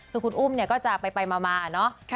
คือคุณอุ้มเนี่ยก็จะไปมาเนอะ